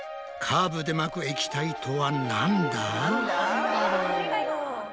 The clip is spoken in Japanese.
カーブでまく液体とはなんだ？